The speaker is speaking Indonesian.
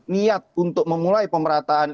niat untuk memulai pemerataan